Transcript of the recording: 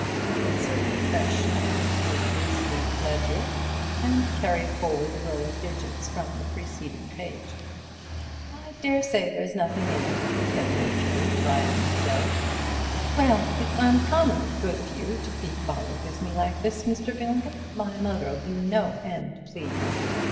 He inserted a fresh sheet into his loose leaf ledger, and carried forward a row of digits from the preceding page. "I daresay there's nothin' in it," said Lord Peter, rising to go. "Well, it's uncommonly good of you to be bothered with me like this, Mr. Milligan, my mother'll be no end pleased.